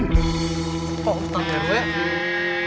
kok takut ya